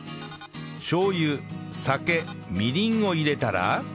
しょう油酒みりんを入れたら